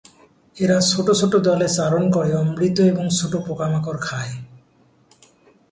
এরা ছোট ছোট দলে চারণ করে, অমৃত এবং ছোট পোকামাকড় খায়।